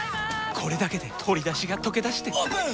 これだけで鶏だしがとけだしてオープン！